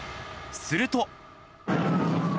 すると。